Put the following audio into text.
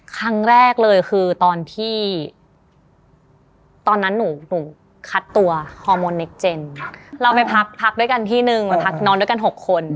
ครั้งแรกเลยคือตอนที่ตอนนั้นหนูคัดตัวฮอร์โมนเนคเจนเราไปพักพักด้วยกันที่นึงพักนอนด้วยกัน๖คน